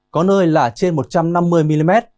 có nơi là trên một trăm năm mươi mm